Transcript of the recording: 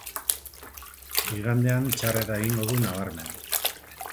Igandean txarrera egingo du nabarmen.